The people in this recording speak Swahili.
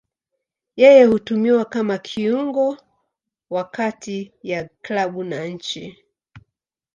Yeye hutumiwa kama kiungo wa kati ya klabu na nchi.